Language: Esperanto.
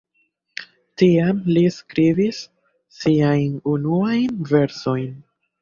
Tiam li skribis siajn unuajn versojn.